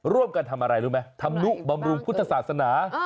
ร่วมกันทำอะไรรู้ไหมธรรมนุบำรุงพุทธศาสนา